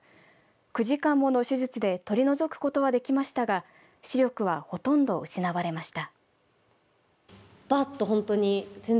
９時間もの手術で取り除くことはできましたが視力はほとんど失われました。